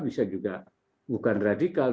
bisa juga bukan radikal